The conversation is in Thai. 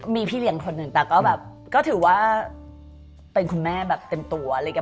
มีพี่เลี้ยงคนหนึ่งแต่ก็แบบก็ถือว่าเป็นคุณแม่แบบเต็มตัวอะไรอย่างนี้